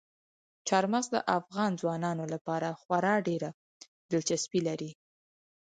چار مغز د افغان ځوانانو لپاره خورا ډېره دلچسپي لري.